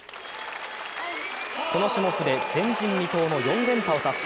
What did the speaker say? この種目で前人未到の４連覇を達成。